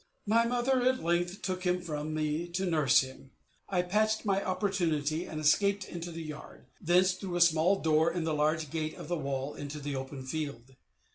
My mother at length took him from me to nurse him. I patched my opportunity and escaped into the yard; thence through a small door in the large gate of the wall into the open field.